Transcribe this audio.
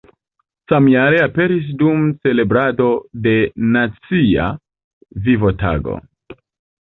Samjare aperis dum celebrado de Nacia Vivo-Tago.